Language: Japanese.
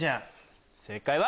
正解は。